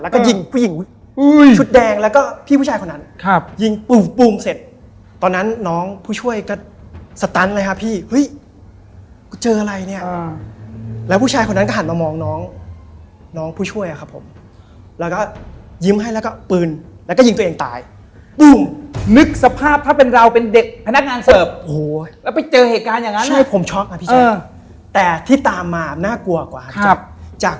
แกหยุดแล้วก็หันมาคุยกับผมว่า